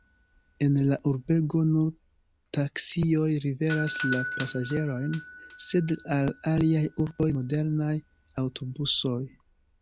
En la urbego nur taksioj liveras la pasaĝerojn, sed al aliaj urboj modernaj aŭtobusoj.